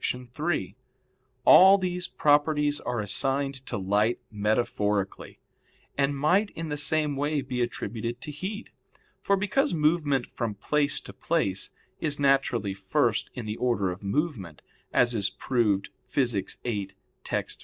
3: All these properties are assigned to light metaphorically, and might in the same way be attributed to heat. For because movement from place to place is naturally first in the order of movement as is proved Phys. viii, text.